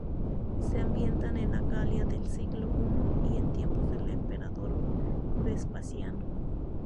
Se ambienta en la Galia del siglo I en tiempos del emperador Vespasiano.